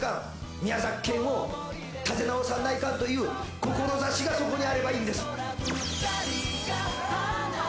「宮崎県を立て直さんないかんという志がそこにあればいいんです」